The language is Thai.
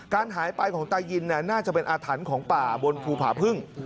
หายไปของตายินน่าจะเป็นอาถรรพ์ของป่าบนภูผาพึ่ง